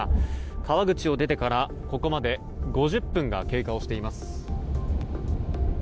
川口を出てからここまで５０分が経過しています。